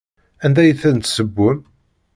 Anda i tent-tessewwem?